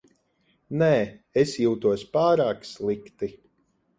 Nē, es jūtos pārāk slikti.